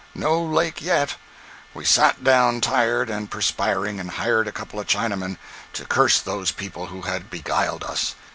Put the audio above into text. No lake yet. We sat down tired and perspiring, and hired a couple of Chinamen to curse those people who had beguiled us.